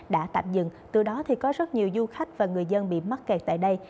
đã tạp dừng từ đó có rất nhiều du khách và người dân bị mắc kẹt tại đây